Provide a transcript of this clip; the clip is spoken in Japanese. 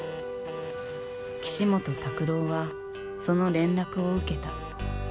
岸本拓朗はその連絡を受けた。